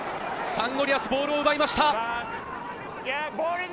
サンゴリアス、ボールを奪いました！